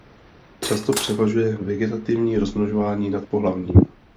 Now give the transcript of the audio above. Často převažuje vegetativní rozmnožování nad pohlavním.